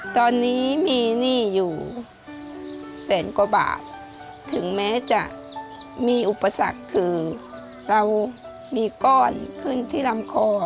ตอนนี้มีหนี้อยู่แสนกว่าบาทถึงแม้จะมีอุปสรรคคือเรามีก้อนขึ้นที่ลำคอ